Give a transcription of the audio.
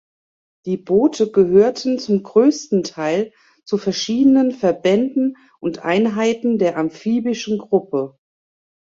Die Boote gehörten zum größten Teil zu verschiedenen Verbänden und Einheiten der Amphibischen Gruppe.